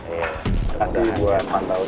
terima kasih buat pantau